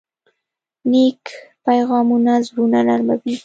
نیک پیغامونه زړونه نرموي.